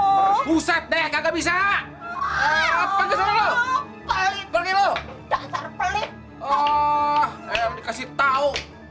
oh usah deh gak bisa pak gonta lo bergilo oh kasih tahu